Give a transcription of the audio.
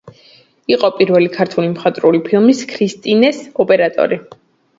იყო პირველი ქართული მხატვრული ფილმის, „ქრისტინეს“ ოპერატორი.